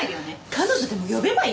彼女でも呼べばいいじゃない。